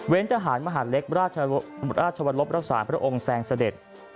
ทหารมหาเล็กราชวรลบรักษาพระองค์แซงเสด็จ